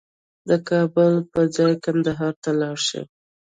د کابل په ځای کندهار ته لاړ شه